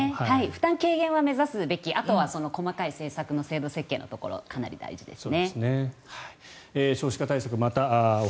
負担軽減は目指すべきあとは、細かい制度設計のところがかなり大事ですね。